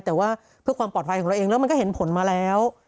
แต่ว่าเพื่อความปลอดภัยของเราเองแล้วมันก็เห็นผลมาแล้ว